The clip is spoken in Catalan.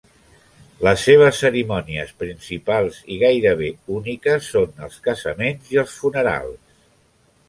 Les seves cerimònies principals i gairebé úniques són els casaments i els funerals.